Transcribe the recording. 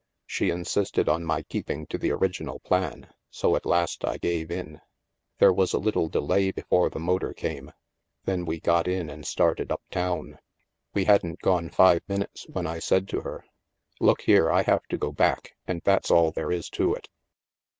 She insisted on my keeping to the original plan, so at last I gave in. There was a little delay before the motor came, then we got in and started up town. We hadn't gone five minutes, when I said to her :' Look here, I have to go back, and that's all there is to it